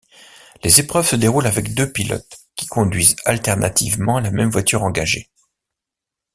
Les épreuves se déroulent avec deux pilotes qui conduisent alternativement la même voiture engagée.